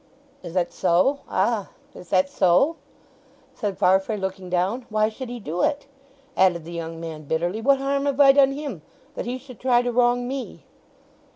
"Is that so—ah, is that so?" said Farfrae, looking down. "Why should he do it?" added the young man bitterly; "what harm have I done him that he should try to wrong me?"